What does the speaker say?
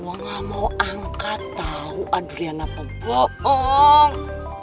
gue gak mau angkat tau aduh riana apa bohong